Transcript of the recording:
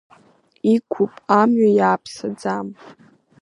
Иқәуп амҩа, иааԥсаӡам.